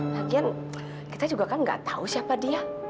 lagian kita juga kan tidak tahu siapa dia